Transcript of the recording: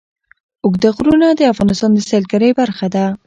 اوږده غرونه د افغانستان د سیلګرۍ برخه ده.